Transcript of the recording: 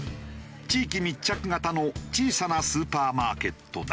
地域密着型の小さなスーパーマーケットだ。